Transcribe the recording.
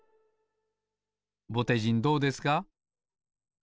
ぼてじんどうですか？